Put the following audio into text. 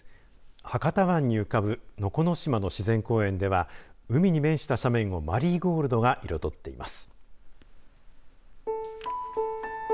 博多湾に浮かぶ能古島の自然公園では海に面した斜面をマリーゴールドが彩っています。